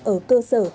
ở cơ sở